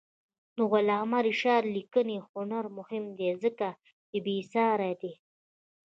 د علامه رشاد لیکنی هنر مهم دی ځکه چې بېسارې دی.